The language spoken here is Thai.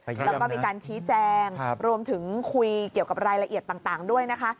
แล้วก็มีการชี้แจงรวมถึงคุยเกี่ยวกับรายละเอียดต่างด้วยนะคะ